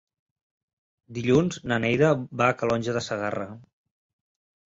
Dilluns na Neida va a Calonge de Segarra.